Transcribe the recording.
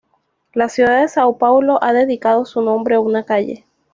La ciudad de Sao Paulo ha dedicado su nombre a una calle.